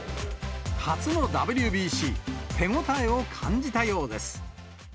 初のＷＢＣ、手応えを感じたようです。